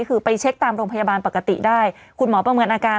คือไปเช็คตามโรงพยาบาลปกติได้คุณหมอประเมินอาการ